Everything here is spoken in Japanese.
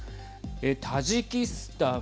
タジキスタン